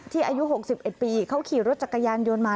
อายุ๖๑ปีเขาขี่รถจักรยานยนต์มา